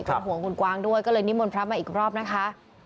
เป็นห่วงคุณกวางด้วยก็เลยนิมนต์พระมาอีกรอบนะคะ